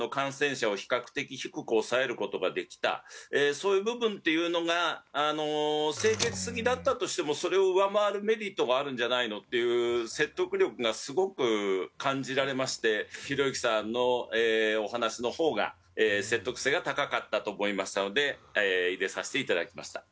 そういう部分っていうのが清潔すぎだったとしてもそれを上回るメリットがあるんじゃないの？っていう説得力がすごく感じられましてひろゆきさんのお話の方が説得性が高かったと思いましたので入れさせていただきました。